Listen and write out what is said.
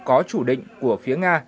có chủ định của phía nga